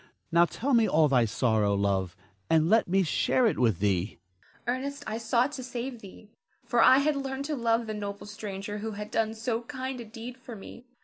Now tell me all thy sorrow, love, and let me share it with thee. Zara. Ernest, I sought to save thee; for I had learned to love the noble stranger who had done so kind a deed for me.